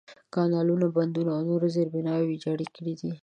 کانالونه، بندونه، او نورې زېربناوې ویجاړې کړي دي.